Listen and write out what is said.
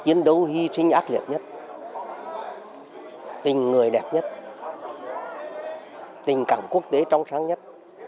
chiến đấu hy sinh ác liệt nhất tình người đẹp nhất tình cảm quốc tế trong sáng nhất